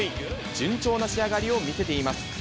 順調な仕上がりを見せています。